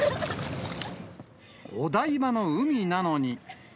お台場の海なのに。